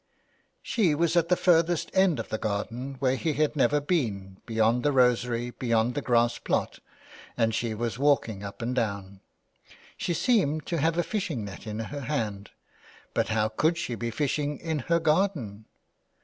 She was at the furthest end of the garden, where he had never been, beyond the rosery, beyond the grass plot, and she was walking up and down. She seemed to have a fishing net in her hand. But how could she be fishing in her garden